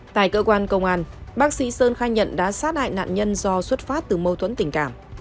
tại cơ quan công an bác sĩ sơn khai nhận đã sát hại nạn nhân do xuất phát từ mâu thuẫn tình cảm